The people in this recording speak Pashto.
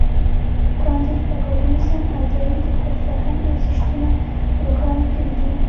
کانديد اکاډميسن عطايي د خپل فرهنګ ارزښتونه روښانه کړي دي.